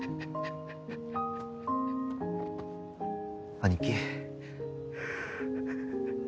兄貴。